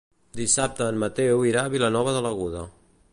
Dissabte en Mateu irà a Vilanova de l'Aguda.